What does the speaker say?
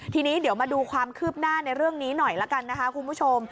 ทีนี้เดี๋ยวมาดูความคืบหน้าในเรื่องนี้หน่อยละกันนะคะคุณผู้ชม